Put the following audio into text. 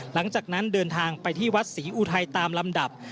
หลังจากนั้นเดินทางไปที่วัดศรีอุทัยตามลำดับ